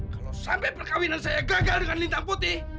kalau sampai perkawinan saya gagal dengan lintang putih